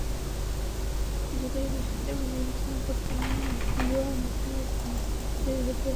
যদি এই বিষয়টা আমরা আলোচনা করতামও, আমার মতামত কী হতো বলে ভেবেছেন?